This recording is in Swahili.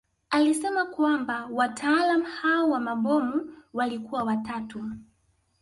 Alisema kwamba wataalamu hao wa mabomu walikuwa watatu